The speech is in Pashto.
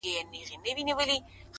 دغه ياغي خـلـگـو بــه منـلاى نـــه’